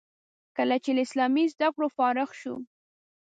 کله چې له اسلامي زده کړو فارغ شو.